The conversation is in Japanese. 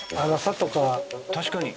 確かに。